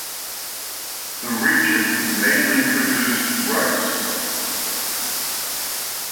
The region mainly produce rice.